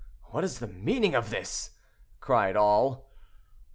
"What is the meaning of this?" cried all.